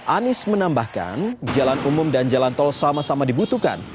anies menambahkan jalan umum dan jalan tol sama sama dibutuhkan